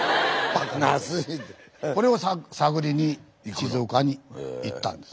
これを探りに静岡に行ったんです。